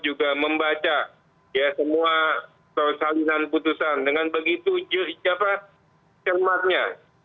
juga membaca semua salinan putusan dengan begitu cepat cermatnya